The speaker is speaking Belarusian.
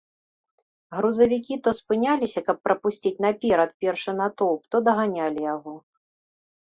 Грузавікі то спыняліся, каб прапусціць наперад пешы натоўп, то даганялі яго.